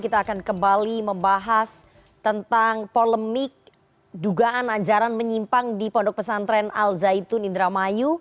kita akan kembali membahas tentang polemik dugaan ajaran menyimpang di pondok pesantren al zaitun indramayu